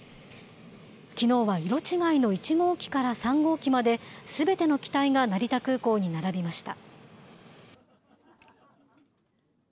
きのうは色違いの１号機から３号機まで、すべての機体が成田空港に並びました。